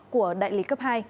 của đại lý cấp hai